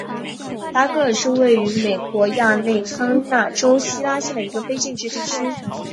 达格尔是位于美国亚利桑那州希拉县的一个非建制地区。